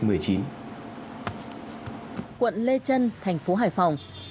quận lê trân thành phố hải phòng